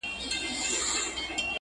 هغه وخت چې د دوی